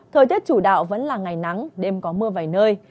thời tiết chủ đạo vẫn là ngày nắng đêm có mưa vài nơi